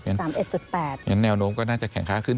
๓๑๘และแนวโน้มก็น่าจะแข็งคร้าขึ้น